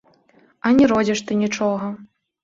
А не родзіш ты нічога?